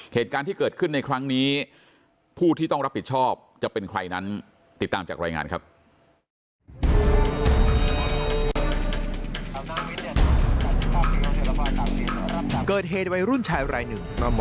เหตุการณ์ที่เกิดขึ้นในครั้งนี้ผู้ที่ต้องรับผิดชอบจะเป็นใครนั้นติดตามจากรายงานครับ